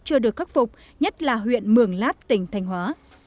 chưa được khắc phục nhất là huyện mường lát tỉnh thanh hóa